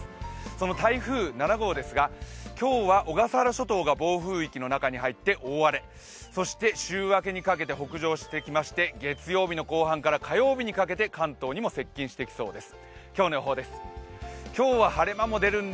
その台風７号ですが、今日は小笠原諸島が暴風域の中に入って大荒れ、そして週明けにかけて北上してきまして、月曜日の後半から火曜日にかけて関東にも接近してきそうです。